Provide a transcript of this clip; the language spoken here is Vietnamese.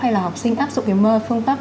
hay là học sinh áp dụng cái phương pháp